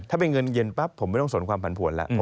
ถ้าเป็นเงินเย็นปั๊บผมไม่ต้องสนความผันผวนแล้ว